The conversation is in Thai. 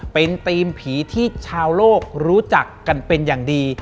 เป็นทีมผีที่ชาวโลกรู้จักกันเป็นอย่างดี